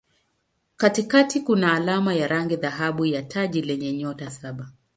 Katikati kuna alama ya rangi dhahabu ya taji lenye nyota saba.